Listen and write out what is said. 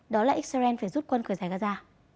đó là israel phải rút quân khởi giải gaza